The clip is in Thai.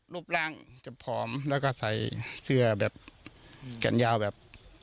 รูปร่างจะผอมแล้วก็ใส่เสื้อแบบแขนยาวแบบ